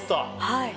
はい。